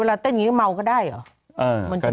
เราเต้นอย่างนี้ก็เมาก็ได้เหรอ